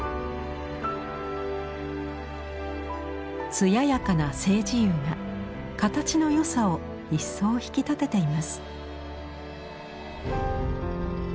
艶やかな青磁釉が形の良さを一層引き立てています。